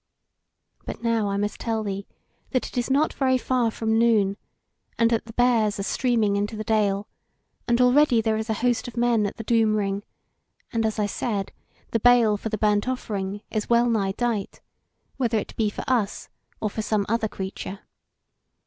But now I must tell thee that it is not very far from noon, and that the Bears are streaming into the Dale, and already there is an host of men at the Doom ring, and, as I said, the bale for the burnt offering is wellnigh dight, whether it be for us, or for some other creature.